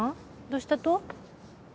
どうしたと？